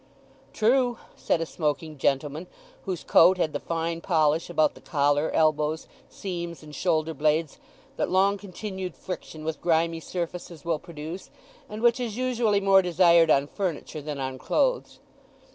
"True," said a smoking gentleman, whose coat had the fine polish about the collar, elbows, seams, and shoulder blades that long continued friction with grimy surfaces will produce, and which is usually more desired on furniture than on clothes.